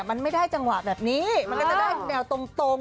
มันไม่ได้จังหวะแบบนี้มันก็จะได้แนวตรง